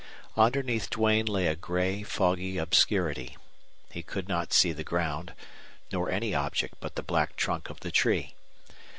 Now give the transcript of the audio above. Underneath Duane lay a gray, foggy obscurity. He could not see the ground, nor any object but the black trunk of the tree.